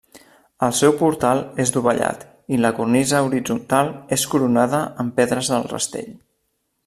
El seu portal és dovellat i la cornisa horitzontal és coronada amb pedres al rastell.